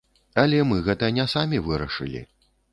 Але мы гэта не самі вырашылі.